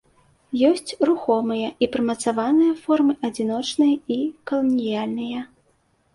Ёсць рухомыя і прымацаваныя формы, адзіночныя і каланіяльныя.